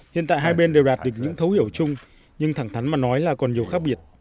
hiện tại hai bên đều đạt được những thấu hiểu chung nhưng thẳng thắn mà nói là còn nhiều khác biệt